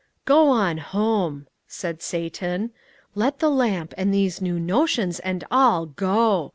"Go on home," said Satan. "Let the lamp and these new notions and all go!